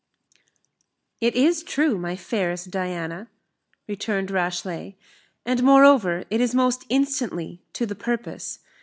"It is true, my fairest Diana," returned Rashleigh; "and moreover, it is most instantly to the purpose.